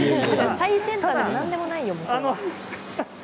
最先端でも何でもないよ。